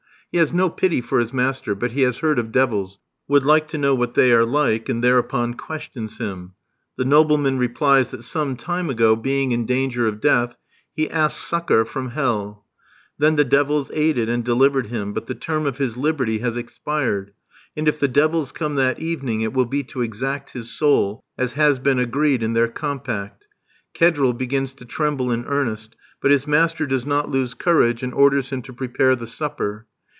He has no pity for his master, but he has heard of devils, would like to know what they are like, and thereupon questions him. The nobleman replies that some time ago, being in danger of death, he asked succour from hell. Then the devils aided and delivered him, but the term of his liberty has expired; and if the devils come that evening, it will be to exact his soul, as has been agreed in their compact. Kedril begins to tremble in earnest, but his master does not lose courage, and orders him to prepare the supper.